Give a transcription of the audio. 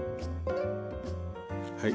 はい。